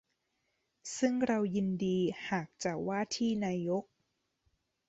ซึ่งเรายินดีหากจะว่าที่นายก